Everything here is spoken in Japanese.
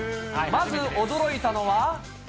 まず驚いたのは。